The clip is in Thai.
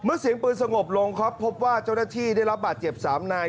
เสียงปืนสงบลงครับพบว่าเจ้าหน้าที่ได้รับบาดเจ็บ๓นาย